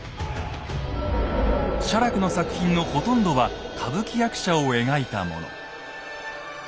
写楽の作品のほとんどは歌舞伎役者を描いたもの。